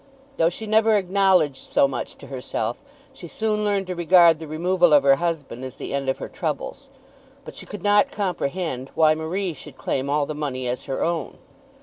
Though she never acknowledged so much to herself, she soon learned to regard the removal of her husband as the end of her troubles. But she could not comprehend why Marie should claim all the money as her own.